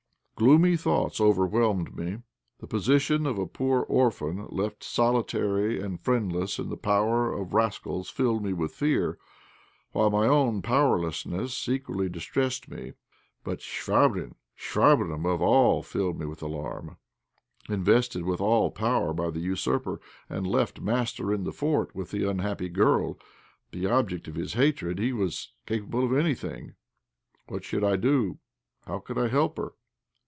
Gloomy thoughts overwhelmed me. The position of a poor orphan left solitary and friendless in the power of rascals filled me with fear, while my own powerlessness equally distressed me; but Chvabrine, Chvabrine above all, filled me with alarm. Invested with all power by the usurper, and left master in the fort, with the unhappy girl, the object of his hatred, he was capable of anything. What should I do? How could I help her?